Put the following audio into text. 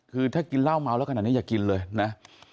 คือถ้ากินเหล้าเมาแล้วขนาดนี้อย่ากินเลยนะ